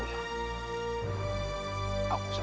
berhari hari aku tidak pulang